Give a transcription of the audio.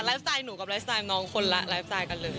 สไตล์หนูกับไลฟ์สไตล์น้องคนละไลฟ์สไตล์กันเลย